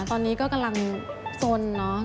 ตอนนี้ก็กำลังสนเนาะ